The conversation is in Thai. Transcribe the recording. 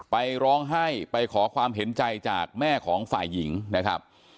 ไปร้องไห้ไปขอความเห็นใจจากแม่ของฝ่ายหญิงนะครับ